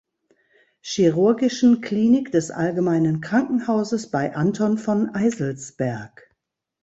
Chirurgischen Klinik des Allgemeinen Krankenhauses bei Anton von Eiselsberg.